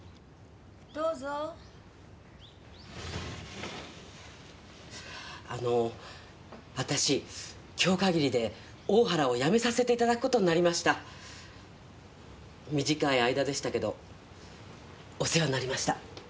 ・どうぞあの私今日かぎりでおおはらを辞めさせて頂くことになりました短い間でしたけどお世話になりました